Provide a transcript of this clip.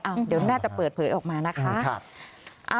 เดี๋ยวน่าจะเปิดเผยออกมานะคะ